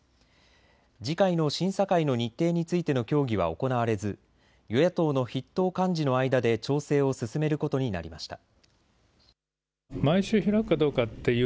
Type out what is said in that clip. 次回の審査会の日程についての協議は行われず与野党の筆頭幹事の間で調整を進めることになりました。